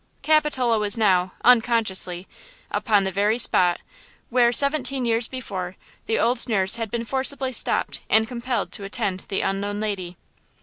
Capitola was now, unconsciously, upon the very spot, where, seventeen years before, the old nurse had been forcibly stopped and compelled to attend the unknown lady.